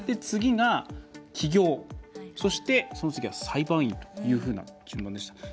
次が起業、そしてその次が裁判員という回答でした。